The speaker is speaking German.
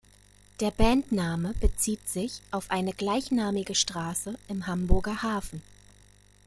Der Bandname bezieht sich auf eine gleichnamige Straße im Hamburger Hafen.